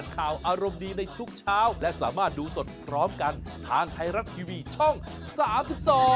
สวัสดีครับสวัสดีครับ